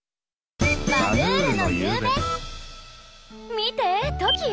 見てトキよ！